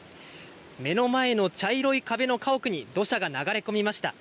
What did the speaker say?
目の前の茶色い壁の家屋に土砂が流れ込みました。